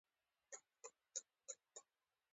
ژبه باید بېرته خپل شي.